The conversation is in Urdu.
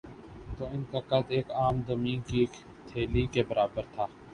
تو ان کا قد ایک عام دمی کی ہتھیلی کے برابر تھا